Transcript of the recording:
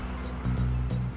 itu jugaomin apel